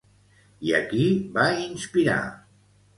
I a qui va inspirar?